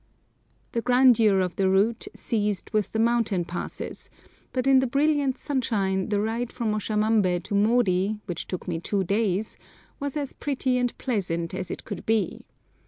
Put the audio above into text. The grandeur of the route ceased with the mountain passes, but in the brilliant sunshine the ride from Oshamambé to Mori, which took me two days, was as pretty and pleasant as it could be.